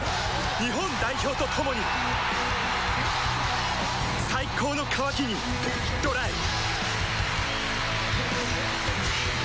日本代表と共に最高の渇きに ＤＲＹ セブン